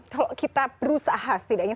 kalau kita berusaha setidaknya